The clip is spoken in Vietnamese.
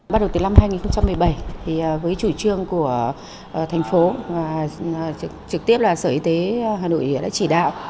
bắt đầu từ năm hai nghìn một mươi bảy với chủ trương của thành phố và trực tiếp là sở y tế hà nội đã chỉ đạo